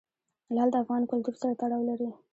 لعل د افغان کلتور سره تړاو لري.